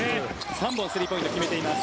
３本スリーポイントを決めています。